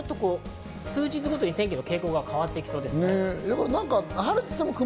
数日ごとに天気の傾向が変わってきそうです。